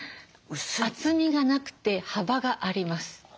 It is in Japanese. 厚みがなくて幅があります。